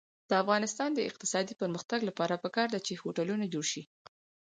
د افغانستان د اقتصادي پرمختګ لپاره پکار ده چې هوټلونه جوړ شي.